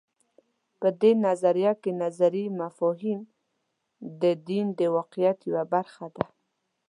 په دې نظریه کې نظري مفاهیم د دین د واقعیت یوه برخه ده.